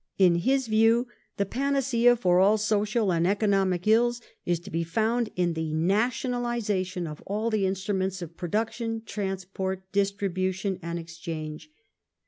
In his view the panacea for all social and economic ills is to be found in the nationalization of all the instruments of production, transport, distribution, and exchange.